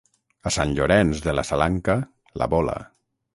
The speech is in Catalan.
A Sant Llorenç de la Salanca, la bola.